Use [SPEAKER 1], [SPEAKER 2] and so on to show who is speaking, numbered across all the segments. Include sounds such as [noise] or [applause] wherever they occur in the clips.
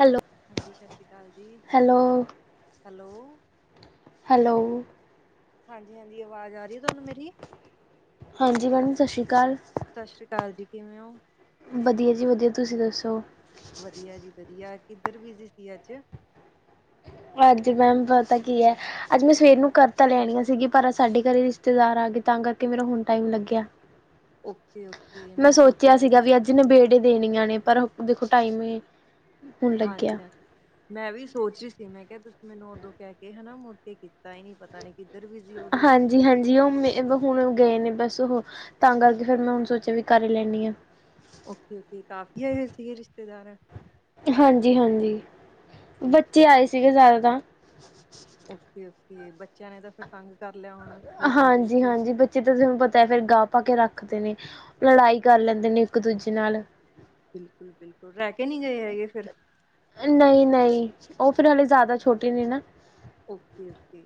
[SPEAKER 1] Hello
[SPEAKER 2] ਹਾਂਜੀ, ਸਤਿ ਸ੍ਰੀ ਅਕਾਲ ਜੀ,
[SPEAKER 1] ਹੈਲੋ,
[SPEAKER 2] ਹੈਲੋ
[SPEAKER 1] ਹੈਲੋ
[SPEAKER 2] ਹਾਂਜੀ ਹਾਂਜੀ ਆਵਾਜ਼ ਆ ਰਹੀ ਹੈ ਤੁਹਾਨੂੰ ਮੇਰੀ
[SPEAKER 1] ਹਾਂਜੀ ਮੈਡਮ ਸਤਿ ਸ਼੍ਰੀ ਅਕਾਲ।
[SPEAKER 2] ਸਤਿ ਸ੍ਰੀ ਅਕਾਲ ਜੀ, ਕਿਵੇਂ ਹੋ?
[SPEAKER 1] ਵਧੀਆ ਜੀ ਵਧੀਆ ਤੁਸੀਂ ਦੱਸੋ?
[SPEAKER 2] ਵਧੀਆ ਜੀ ਵਧੀਆ, ਕਿੱਧਰ ਬਿਜੀ ਸੀ ਅੱਜ?
[SPEAKER 1] ਅੱਜ ਮੈਮ ਪਤਾ ਕੀ ਹੈ। ਅੱਜ ਮੈਂ ਸਵੇਰ ਨੂੰ ਘਰ ਤਾਂ ਲੈਣ ਆ ਸੀਗੀ ਪਰ ਅ ਸਾਡ ਘਰੇ ਰਿਸ਼ਤੇਦਾਰ ਆ ਗਏ ਤਾਂ ਕਰਕੇ ਮੇਰਾ ਹੁਣ ਟਾਈਮ ਲੱਗਿਆ।
[SPEAKER 2] ਓਕੇ ਓਕੇ ਮੈਂ ਸੋਚਿਆ ਅੱਜ
[SPEAKER 1] ਜਿਨ੍ਹੇ ਬੇਟੀ ਦੇਣੀਆਂ ਨੇ ਪਰ ਦੇਖੋ ਟਾਈਮ ਹੁਣ ਲੱਗਿਆ।
[SPEAKER 2] ਹਾਂਜੀ-ਹਾਂਜੀ ਮੈਂ ਵੀ ਸੋਚ ਰਹੀ ਸੀ ਮੈਂ ਕਿਹਾ ਤੁਸੀਂ ਮੈਨੂੰ ਉਦੋਂ ਕਹਿ ਕੇ ਹਨਾ ਮੁੜ ਕੇ ਕੀਤਾ ਹੀ ਨੀ ਪਤਾ ਪਤਾ ਨੀ ਕਿੱਧਰ ਬਿਜ਼ੀ ਹੋ ਗਏ।
[SPEAKER 1] ਜੀ ਹਾਂਜੀ ਉਹ ਮ ਹੁਣ ਗਏ ਨੇ ਬਸ ਉਹ ਤਾਂ ਕਰਕੇ ਫਿਰ ਮੈਂ ਹੁਣ ਸੋਚਿਆ ਵੀ ਕਰ ਹੀ ਲੈਨੀ ਆ।
[SPEAKER 2] ਓਕੇ-ਓਕੇ ਕਾਫੀ ਹੈਗੇ ਸੀਗੇ ਰਿਸ਼ਤੇਦਾਰਾਂ
[SPEAKER 1] ਹਾਂਜੀ-ਹਾਂਜੀ
[SPEAKER 2] ਠੀਕ
[SPEAKER 1] ਬੱਚੇ ਆਏ ਸੀਗੇ ਜ਼ਿਆਦਾ ਤਾਂ
[SPEAKER 2] ਓਕੇ-ਓਕੇ ਬੱਚਿਆਂ ਨੇ ਤਾਂ ਫਿਰ ਤੰਗ ਕਰ ਲਿਆ ਹੋਣਾ ਗਰਮੀ ਦੇ ਵਿੱਚ?
[SPEAKER 1] ਜਿੱਦਾਂ ਤੁਹਾਨੂੰ ਪਤਾ ਐ ਫਿਰ ਗਾਹ ਪਾ ਕੇ ਰੱਖਦੇ ਨੇ ਲੜਾਈ ਕਰ ਲੈਂਦੇ ਨੇ ਇੱਕ ਦੂਜੇ ਨਾਲ
[SPEAKER 2] ਬਿਲਕੁਲ ਬਿਲਕੁਲ ਰਹਿ ਕੇ ਨਹੀਂ ਗਏ ਹੈਗੇ ਫੇਰ?
[SPEAKER 1] ਨਹੀਂ-ਨਹੀਂ, ਉਹ ਫਿਰ ਹਲੇੇ ਜ਼ਿਆਦਾ ਛੋਟੇ ਨੇ ਨਾ
[SPEAKER 2] ਓਕੇ-ਓਕੇ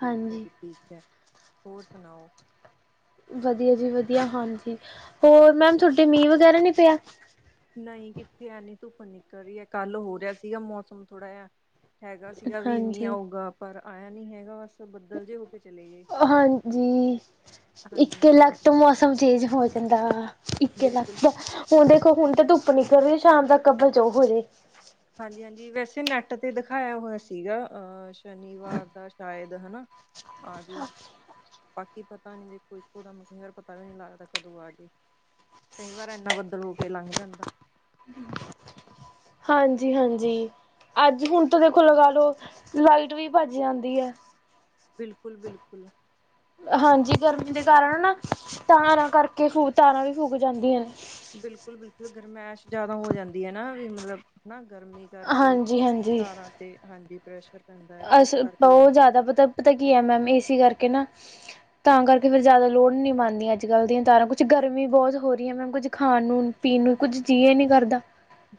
[SPEAKER 2] ਠੀਕ ਹੈ
[SPEAKER 1] ਹਾਂਜੀ।
[SPEAKER 2] ਜੀ ਠੀਕ ਹੈ ਹੋਰ ਸੁਣਾਓ।
[SPEAKER 1] ਵਧੀਆ ਜੀ ਵਧੀਆ, ਹਾਂਜੀ ਹੋਰ ਮੈਮ ਤੁਹਾਡੇ ਮੀਂਹ ਵਗੈਰਾ ਨਹੀਂ ਪਿਆ?
[SPEAKER 2] ਨਹੀਂ ਕਿੱਥੇ, ਐਨੀ ਧੁੱਪ ਨਿਕਲ ਰਹੀ ਹੈ। ਕੱਲ ਹੋ ਰਿਹਾ ਸੀਗਾ, ਮੌਸਮ ਥੋੜ੍ਹਾ ਜਿਹਾ। ਹੈਗਾ ਸੀਗਾ ਵੀ ਮੀਂ
[SPEAKER 1] ਹਾਂਜੀ।
[SPEAKER 2] ਆਊਗਾ ਪਰ ਆਇਆ ਨੀ ਹੈਗਾ ਬਸ। ਬੱਦਲ ਜੇ ਹੋ ਕੇ ਚਲੇ ਗਏ
[SPEAKER 1] ਹਾਂਜੀ,
[SPEAKER 2] ਹਾਂਜੀ
[SPEAKER 1] ਇੱਕ
[SPEAKER 2] ਹਾਂਜੀ
[SPEAKER 1] ਲੱਖ ਤੋਂ [unintelligible] ਹੋ ਜਾਂਦਾ ਇੱਕੇ
[SPEAKER 2] ਬਿਲਕੁਲ
[SPEAKER 1] ਲੱਖ
[SPEAKER 2] ਬਿਲਕੁਲ
[SPEAKER 1] ਹੁਣ ਦੇਖੋ ਹੁਣ ਤਾਂ, ਧੁੱਪ ਨਿਕਲ ਰਹੀ ਹੈ। ਸ਼ਾਮ ਤੱਕ ਬਚੋ ਹੋ ਜੇ।
[SPEAKER 2] ਹਾਂਜੀ-ਹਾਂਜੀ, ਵੈਸੇ ਨੈਟ ਤੇ ਦਿਖਾਇਆ ਹੋਇਆ ਸੀਗਾ, ਅ ਸ਼ਨੀਵਾਰ ਦਾ ਸ਼ਾਇਦ ਹਨਾ? ਹਾਂਜੀ। ਬਾਕੀ ਪਤਾ ਨੀ ਦੇਖੋ, ਇੱਕੋ ਦਮ, ਯਾਰ ਪਤਾ ਵੀ ਨੀ ਲੱਗਦਾ ਕਦੋਂ ਆ ਜਏ। ਕਈ ਵਾਰ ਇੰਨਾ ਬੱਦਲ ਹੋ ਕੇ ਲੰਘ ਜਾਂਦਾ।
[SPEAKER 1] ਹੂੰ, ਹਾਂਜੀ-ਹਾਂਜੀ, ਅੱਜ ਹੁਣ ਤਾਂ ਦੇਖੋ ਲਗਾ ਲਓ ਲਾਈਟ ਵੀ ਭੱਜ ਜਾਂਦੀ ਹੈ।
[SPEAKER 2] ਬਿਲਕੁਲ- ਬਿਲਕੁਲ।
[SPEAKER 1] ਹਾਂਜੀ ਗਰਮੀ ਦੇ ਕਾਰਨ ਨਾ ਤਾਰਾਂ ਕਰਕੇ ਫੂ ਤਾਰਾਂ ਵੀ ਫੂਗ ਜਾਂਦੀਆਂ ਨੇ।
[SPEAKER 2] ਬਿਲਕੁਲ-ਬਿਲਕੁਲ ਗਰਮੈਸ਼ ਜਿਆਦਾ ਹੋ ਜਾਂਦੀ ਐ ਨਾ, ਵੀ ਮਤਲਬ ਨਾ ਗਰਮੀ? ਕਰਕੇ
[SPEAKER 1] ਹਾਂਜੀ-ਹਾਂਜੀ
[SPEAKER 2] ਤਾਰਾਂ ਤੇ ਹਾਂਜੀ ਪ੍ਰਸ਼
[SPEAKER 1] ਅਸ ਬਹੁਤ ਜ਼ਿਆਦਾ ਪਤਾ-ਪਤਾ ਕੀ ਹੈ ਮੈਮ ਇਸਏ ਕਰਕੇ ਨਾ? ਤਾਂ ਕਰਕੇ ਫੇਰ ਜ਼ਿਆਦਾ ਲੋਡ ਨਹੀਂ ਬਣਦੀਆਂ ਅੱਜ ਕੱਲ ਦੀਆਂ ਤਾਰਾਂ ਕੁੱਛ ਗਰਮੀ ਬਹੁਤ ਹੋ ਰਹੀਆਂ ਮੈਮ ਕੁੱਝ ਖਾਣ ਨੂੰ ਪੀਣ ਨੂੰ, ਕੁਝ ਜੀਅ ਏ ਨੀ ਕਰਦਾ।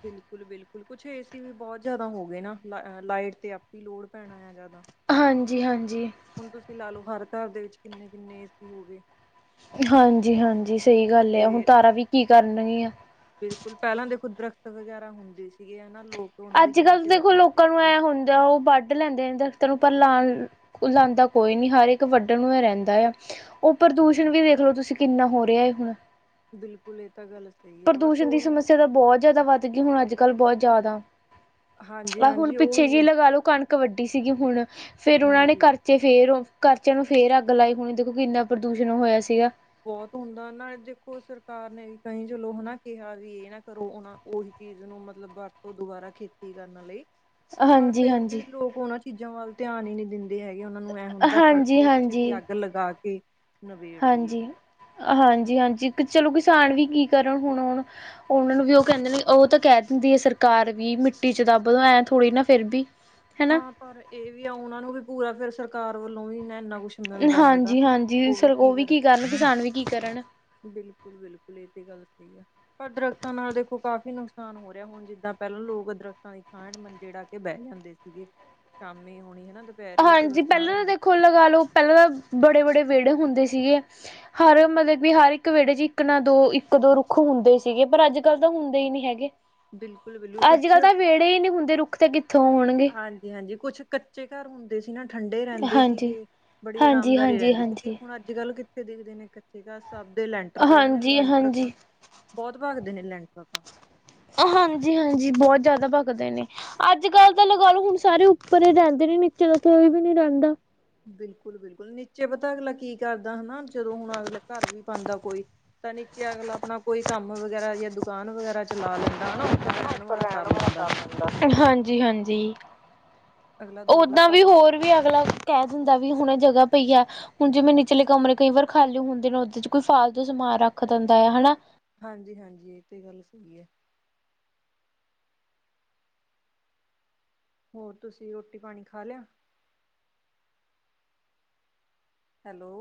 [SPEAKER 2] ਬਿਲਕੁਲ -ਬਿਲਕੁਲ, ਕੁਛ ਏਸੀ ਵੀ ਬਹੁਤ ਜਿਆਦਾ ਹੋ ਗਏ ਨਾ, ਲ ਲਾਈਟ ਤੇ ਆਪੇ ਹੀ ਲੋਡ ਪੈਣਾ ਹੈਗਾ ਦਾ।
[SPEAKER 1] ਹਾਂਜੀ -ਹਾਂਜੀ।
[SPEAKER 2] ਹੁਣ ਤੁਸੀਂ ਲਾ ਲਓ ਹਰ ਘਰ ਦੇ ਵਿੱਚ ਕਿੰਨੇ-ਕਿੰਨੇ ਏ ਸੀ ਹੋ ਗਏ।
[SPEAKER 1] ਹਾਂਜੀ-ਹਾਂਜੀ, ਸਹੀ ਗੱਲ ਆ ਹੁਣ
[SPEAKER 2] ਤੇ
[SPEAKER 1] ਤਾਰਾ ਵੀ ਕੀ ਕਰਨਗੀਆਂ?
[SPEAKER 2] ਬਿਲਕੁਲ, ਪਹਿਲਾਂ ਦੇਖੋ, ਦਰੱਖ਼ਤ ਵਗੈਰਾ ਹੁੰਦੇ ਸੀਗੇ, ਹਨਾ ਲੋਕ ਉਹਨਾਂ ਦੀ ਛਾਂ
[SPEAKER 1] ਅੱਜ-ਕੱਲ੍ਹ
[SPEAKER 2] 'ਚ
[SPEAKER 1] ਦੇਖੋ,
[SPEAKER 2] ਬੈਠੇ ਹੁੰਦੇ
[SPEAKER 1] ਲੋਕਾਂ ਨੂੰ
[SPEAKER 2] ਸੀਗੇ
[SPEAKER 1] ਐਂ ਹੁੰਦਾ ਉਹ ਵੱਢ ਵੱਢ ਲੈਂਦੇ, ਦਰੱਖ਼ਤਾਂ ਨੂੰ ਪਰ ਲਾਉਣ, ਲਾਂਦਾ ਕੋਈ ਨੀ, ਹਰ ਇੱਕ ਵੱਢਣ ਨੂੰ ਈ ਰਹਿੰਦਾ ਆ। ਉਹ, ਪ੍ਰਦੂਸ਼ਣ
[SPEAKER 2] ਬਿਲਕੁਲ
[SPEAKER 1] ਵੀ ਦੇਖ ਲਓ ਤੁਸੀਂ, ਕਿੰਨਾ ਹੋ ਰਿਹਾ ਹੈ ਹੁਣ।
[SPEAKER 2] ਬਿਲਕੁਲ ਇਹ ਤਾਂ ਗਲਤ
[SPEAKER 1] ਪ੍ਰਦੂਸ਼ਣ ਦੀ ਸਮੱਸਿਆ ਤਾਂ, ਬਹੁਤ ਜ਼ਿਆਦਾ ਵੱਧ ਗਈ ਹੁਣ, ਅੱਜ-ਕੱਲ੍ਹ ਬਹੁਤ ਜ਼ਿਆਦਾ।
[SPEAKER 2] ਹਾਂਜੀ
[SPEAKER 1] ਆਹ, ਹੁਣ
[SPEAKER 2] ਹਾਂਜੀ
[SPEAKER 1] ਪਿੱਛੇ
[SPEAKER 2] ਉਹੀ
[SPEAKER 1] ਜਿਹੇ
[SPEAKER 2] ਹੈ
[SPEAKER 1] ਲਗਾ ਲਉ, ਕਣਕ ਵੱਢੀ ਸੀਗੀ ਹੁਣ, ਫਿਰ ਉਹਨਾਂ ਨੇ
[SPEAKER 2] ਹਾਂਜੀ
[SPEAKER 1] ਘਰ ਤੇ ਫੇਰ, ਉਹ ਕਰਚਿਆਂ ਨੂੰ ਫੇਰ ਅੱਗ ਲਾਈ ਹੋੁਣੀ ਦੇਖੋ ਕਿੰਨਾ, ਪ੍ਰਦੂਸ਼ਣ ਹੋਇਆ ਸੀਗਾ
[SPEAKER 2] ਬਹੁਤ ਹੁੰਦਾ ਨਾ, ਦੇਖੋ, ਸਰਕਾਰ ਨੇ ਵੀ, ਕਹੀ ਚਲੋ ਹਨਾ, ਕਿਹਾ ਵੀ, ਇਹ ਨਾ ਕਰੋ, ਉਹ ਨਾ ਉਹੀ ਚੀਜ਼ ਨੂੰ ਮਤਲਬ, ਵਰਤੋਂ, ਦੁਬਾਰਾ ਖੇਤੀ ਕਰਨ ਲਈ। ਪਰ ਫਿਰ,
[SPEAKER 1] ਹਾਂਜੀ-ਹਾਂਜੀ,
[SPEAKER 2] ਫਿਰ ਲੋਕ ਉਹਨਾਂ ਚੀਜ਼ਾਂ ਵੱਲ, ਧਿਆਨ ਹੀ ਨੀ ਦਿੰਦੇ। ਦਿੰਦੇ ਹੈਗੇ। ਉਹਨਾਂ ਨੂੰ ਐਹ ਹੁੰਦਾ ਫਰ ਛੇ,
[SPEAKER 1] ਹਾਂਜੀ-ਹਾਂਜੀ।
[SPEAKER 2] ਛੇਤੀ ਅੱਗ ਲਗਾ ਕੇ ਨਿਬੇੜ ਦੀਏ
[SPEAKER 1] ਹਾਂਜੀ-ਹਾਂਜੀ-ਹਾਂਜੀ, ਚਲੋ ਕਿਸਾਨ ਵੀ ਕੀ ਕਰਨ ਹੁਣ-ਹੁਣ ਉਹਨਾਂ ਨੂੰ ਵੀ, ਉਹ ਕਹਿੰਦੇ ਨੇ, ਉਹ ਤਾਂ ਕਹਿ ਦਿੰਦੀ ਹੈ, ਸਰਕਾਰ ਵੀ ਮਿੱਟੀ ਚ ਦੱਬ ਦੋ ਐਂ ਥੋੜ੍ਹੀ ਨਾ, ਫੇਰ ਬੀ
[SPEAKER 2] ਹਾਂ ਪਰ ਇਹ ਵੀ ਆ, ਉਹਨਾਂ ਨੂੰ ਵੀ ਪੂਰਾ ਫੇਰ ਸਰਕਾਰ ਵੱਲੋਂ ਵੀ, ਇੰਨਾ -ਇੰਨਾ ਕੁਛ।
[SPEAKER 1] ਹਾਂਜੀ -ਹਾਂਜੀ, ਸਰ, ਉਹ ਵੀ ਕੀ ਕਰਨ। ਕਿਸਾਨ ਵੀ ਕੀ ਕਰਨ।
[SPEAKER 2] ਬਿਲਕੁਲਬਿਲਕੁਲ ਇਹ ਤੇ ਗੱਲ ਸਹੀ ਹੈ। ਪਰ ਦਰੱਖਤਾਂ ਨਾਲ ਦੇਖੋ, ਕਾਫ਼ੀ ਨੁਕਸਾਨ ਹੋ ਰਿਹਾ, ਹੁਣ ਜਿੱਦਾਂ ਪਹਿਲਾਂ ਲੋਕ ਦਰਖਤਾਂ ਦੀ ਥਾਂ ਮੰਜੇ ਡਾ ਕੇ ਬਹਿ ਜਾਂਦੇ ਸੀਗੇ, ਸ਼ਾਮੀ ਹੁਣੀ ਹਨਾ, ਦ
[SPEAKER 1] ਹਾਂਜੀ, ਪਹਿਲਾਂ ਤਾਂ ਦੇਖੋ, ਲਗਾ ਲਉ ਪਹਿਲਾਂ ਬੜੇ - ਬੜੇ ਵਿਹੜੇ ਹੁੰਦੇ ਸੀਗੇ। ਹਰ ਮਤਲਬ ਕਿ ਹਰ ਇੱਕ ਵਿਹੜੇ ਚ ਇੱਕ ਨਾ ਦੋ ਇੱਕ ਦੋ ਰੁੱਖ ਹੁੰਦੇ ਸੀਗੇ ਪਰ ਅੱਜ-ਕੱਲ੍ਹ ਤਾਂ ਹੁੰਦੇ ਹੀ ਨਹੀਂ ਹੈਗੇ।
[SPEAKER 2] ਬਿਲਕੁਲ ਬਿਲਕੁਲ
[SPEAKER 1] ਅੱਜ -
[SPEAKER 2] ਕੁਛ
[SPEAKER 1] ਕੱਲ ਤਾਂ ਵਿਹੜੇ ਹੀ, ਨਹੀਂ ਹੁੰਦੇ ਰੁੱਖ ਤੇ ਕਿਤ
[SPEAKER 2] ਹਾਂਜੀ -ਹਾਂਜੀ ਕੁਛ ਕੱ ਕੱਚੇ ਘਰ ਹੁੰਦੇ ਸੀ ਨਾ, ਠੰਡੇ ਰਹਿੰਦੇ
[SPEAKER 1] ਹਾਂਜੀ
[SPEAKER 2] ਸੀਗੇ। ਬੜੀ
[SPEAKER 1] ਹਾਂਜੀ
[SPEAKER 2] ਆਰਾਮਦਾਰੀ
[SPEAKER 1] ਹਾਂਜੀ
[SPEAKER 2] ਰਹਿੰਦੀ ਸੀਗੀ।
[SPEAKER 1] ਹਾਂਜੀ
[SPEAKER 2] ਹੁਣ ਅੱਜ- ਕੱਲ੍ਹ ਕਿੱਥੇ ਦਿਖਦੇ ਨੇ, ਕੱਚੇ ਘਰ, ਸਭ ਦੇ ਲੈਂਟਰ ਪਏ ਨੇ। ਲੈਂਟਰ ਤਾਂ
[SPEAKER 1] ਹਾਂਜੀ-ਹਾਂਜੀ।
[SPEAKER 2] ਬਹੁਤ ਭਾਗਦੇ ਨੇ ਲੈਂਡ ਪਾਪਾ
[SPEAKER 1] ਹਾਂਜੀ -ਹਾਂਜੀ, ਬਹੁਤ ਜ਼ਿਆਦਾ ਬਗਦੇ ਨੇ। ਅੱਜ-ਕੱਲ੍ਹ ਤਾਂ ਲਗਾ ਲਓ ਹੁਣ ਸਾਰੇ ਉੱਪਰ ਹੀ ਰਹਿੰਦੇ ਨੇ ਨੀਚੇ ਤਾਂ ਕੋਈ ਵੀ ਨੀ ਰਹਿੰਦਾ।
[SPEAKER 2] ਬਿਲਕੁਲ-ਬਿਲਕੁਲ ਨੀਚੇ ਪਤਾ ਅਗਲਾ ਕੀ ਕਰਦਾ ਹਨਾ ਜਦੋਂ ਹੁਣ ਅਗਲੇ ਘਰ ਵੀ ਪਾਉਂਦਾ ਕੋਈ ਤਾਂ, ਨੀਚੇ ਅਗਲਾ ਆਪਣਾ ਕੋਈ, ਕੰਮ ਵਗੈਰਾ ਜਾਂ ਦੁਕਾਨ ਵਗੈਰਾ ਚਲਾ ਲੈਂਦਾ, ਹਨਾ, ਉੱਪਰ ਰਹਿਣ ਵਾਲਾ ਕਰ ਲੈਂਦਾ।
[SPEAKER 1] ਹਾਂਜੀ-ਹਾਂਜੀ,
[SPEAKER 2] ਅਗਲਾ ਦੋ-ਦੋ
[SPEAKER 1] ਓਦਾਂ ਵੀ
[SPEAKER 2] ਚੀਜ਼ਾਂ ਤੇ
[SPEAKER 1] ਹੋਰ ਵੀ ਅਗਲਾ ਕਹਿ ਦਿੰਦਾ ਵੀ ਹੁਣ ਇਹ ਜਗ੍ਹਾ ਪਈ ਆ ਹੁਣ ਜਿਵੇਂ ਨਚਲੇ ਕਮਰੇ ਕਈ ਵਾਰ ਖਾਲੀ ਹੁੰਦੇ ਨੇ ਉਹਦੇ ਚ ਕੋਈ ਫਾਲਤੂ ਸਮਾਨ ਰੱਖ ਦਿੰਦਾ ਆ ਹਨਾ।
[SPEAKER 2] ਹਾਂਜੀ -ਹਾਂਜੀ, ਇਹ ਤੇ ਗੱਲ ਸਹੀ ਹੈ। ਹੋਰ ਤੁਸੀਂ ਰੋਟੀ ਪਾਣੀ ਖਾ ਲਿਆ? ਹੈਲੋ!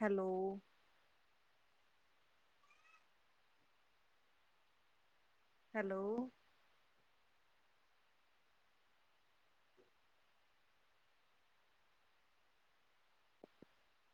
[SPEAKER 2] ਹੈਲੋ। ਹੈਲੋ [inaudible]